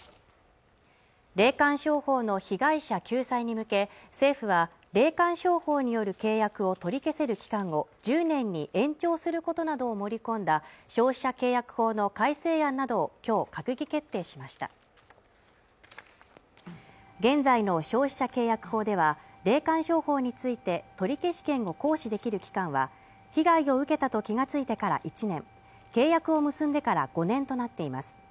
霊感商法の被害者救済に向け政府は霊感商法による契約を取り消せる期間を１０年に延長することなどを盛り込んだ消費者契約法の改正案などをきょう閣議決定しました現在の消費者契約法では霊感商法について取消権を行使できる期間は被害を受けたと気がついてから１年契約を結んでから５年となっています